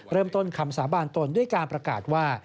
เริ่มต้นคำสาบานตนด้วยการประกาศว่า